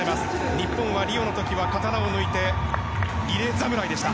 日本はリオの時は刀を抜いてリレー侍でした。